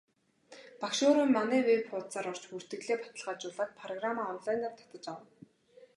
Багш өөрөө манай веб хуудсаар орж бүртгэлээ баталгаажуулаад программаа онлайнаар татаж авна.